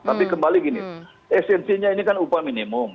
tapi kembali gini esensinya ini kan upah minimum